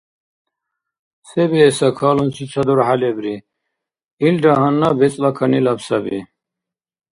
Се биэса, калунси ца дурхӀя лебри. Илра гьанна бецӀла канилаб саби.